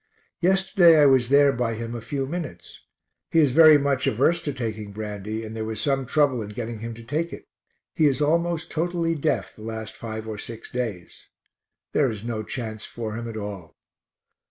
Yesterday I was there by him a few minutes. He is very much averse to taking brandy, and there was some trouble in getting him to take it. He is almost totally deaf the last five or six days. There is no chance for him at all.